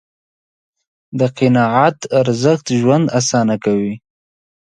د قناعت ارزښت ژوند آسانه کوي.